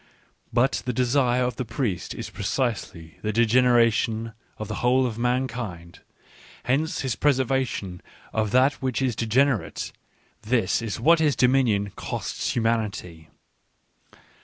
But the desire of the priest is precisely the degenera tion of the whole of mankind ; hence his preservation of that which is degenerate — this is what his dom inion costs humanity.